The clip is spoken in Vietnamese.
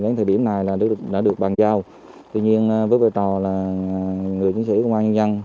đến thời điểm này là đã được bàn giao tuy nhiên với vai trò là người chiến sĩ công an nhân dân